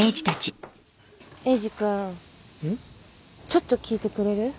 ちょっと聞いてくれる？